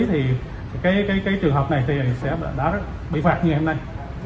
thì cái trường hợp này sẽ đã bị phạt như ngày hôm nay